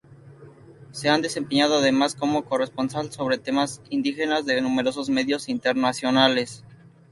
Se ha desempeñado además como corresponsal sobre temas indígenas de numerosos medios internacionales.